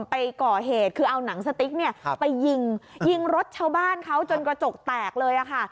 ไปก่อเหตุคือเอาหนังสติ๊กเนี่ยไปยิงยิงรถชาวบ้านเขาจนกระจกแตกเลยค่ะ